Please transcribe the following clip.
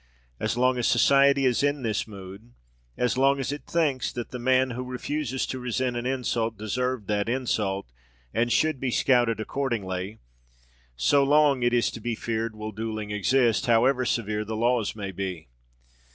As long as society is in this mood; as long as it thinks that the man who refuses to resent an insult, deserved that insult, and should be scouted accordingly; so long, it is to be feared, will duelling exist, however severe the laws may be.